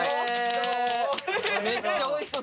めっちゃおいしそう！